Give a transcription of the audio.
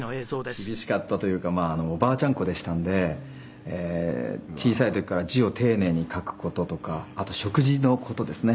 「もう厳しかったというかおばあちゃん子でしたので小さい時から字を丁寧に書く事とかあと食事の事ですね。